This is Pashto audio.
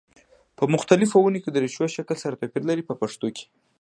په مختلفو ونو کې د ریښو شکل سره توپیر لري په پښتو کې.